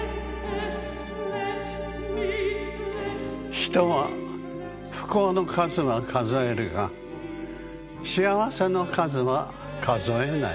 「人は不幸の数はかぞえるが幸せの数はかぞえない」。